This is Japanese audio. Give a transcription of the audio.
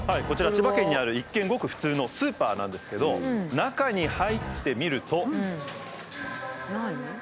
こちら千葉県にある一見ごく普通のスーパーなんですけど中に入ってみると。